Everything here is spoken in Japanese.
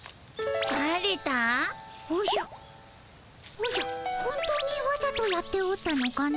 おじゃ本当にわざとやっておったのかの？